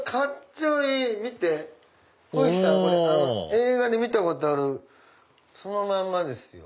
映画で見たことあるそのまんまですよ。